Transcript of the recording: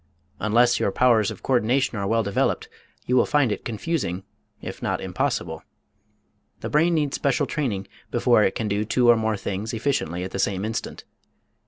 Unless your powers of coördination are well developed you will find it confusing, if not impossible. The brain needs special training before it can do two or more things efficiently at the same instant.